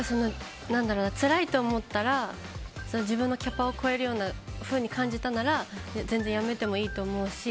つらいと思ったら自分のキャパを超えるように感じたなら全然辞めてもいいと思うし